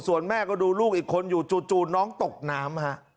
ส่วนแม่ก็ดูลูกอีกคนอยู่จู่น้องตกน้ำฮะ